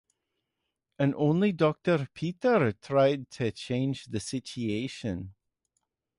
And only doctor Peter tried to change the situation.